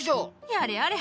やれやれ。